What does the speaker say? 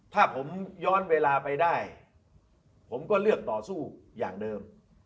ถ้าผมย้อนเวลาไปได้ผมก็เลือกต่อสู้อย่างเดิม